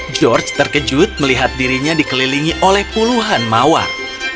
george terkejut melihat dirinya dikelilingi oleh puluhan mawar